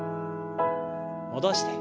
戻して。